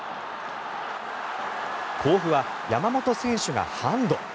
甲府は山本選手がハンド。